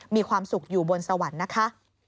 มีความสุขอยู่บนสวรรค์นะคะ